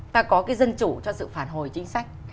ta có cái dân chủ cho sự phản hồi chính sách